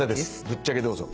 ぶっちゃけどうぞ。